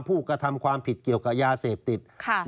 ผู้กระทำความผิดเกี่ยวกับยาเสพติด